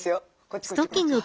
こっちも。